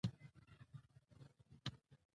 مایعات د حجرې له داخل څخه خارجيږي.